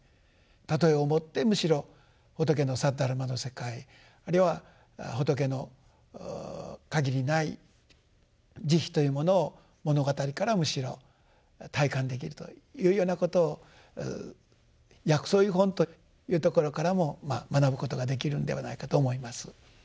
譬えをもってむしろ仏の「サッダルマ」の世界あるいは仏の限りない慈悲というものを物語からむしろ体感できるというようなことを「薬草喩品」というところからも学ぶことができるのではないかと思います。